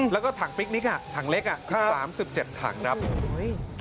แล้วก็ถังปิ๊กนิกอ่ะถังเล็กอ่ะครับสามสิบเจ็ดถังครับเฮ้ย